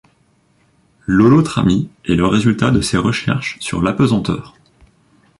L’holotramie est le résultat de ses recherches sur l’apesanteur.